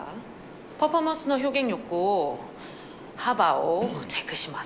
パフォーマンスの表現力を、幅をチェックします。